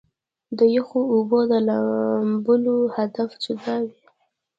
د يخو اوبو د لامبلو هدف جدا وي -